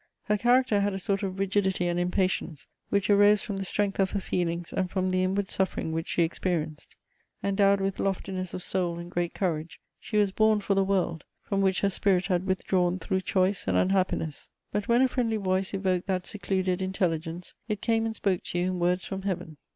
Her character had a sort of rigidity and impatience, which arose from the strength of her feelings and from the inward suffering which she experienced. Endowed with loftiness of soul and great courage, she was born for the world, from which her spirit had withdrawn through choice and unhappiness; but when a friendly voice evoked that secluded intelligence, it came and spoke to you in words from Heaven.